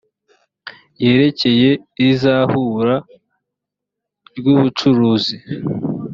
yerekeye izahura ry ubucuruzi